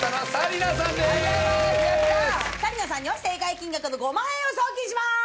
紗理奈さんには正解金額の５万円を送金します！